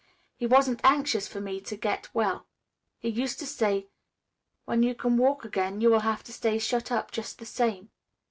He wasn't anxious for me to get well. He used to say, 'When you can walk again, you will have to stay shut up just the same.